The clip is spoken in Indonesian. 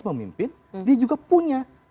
memimpin dia juga punya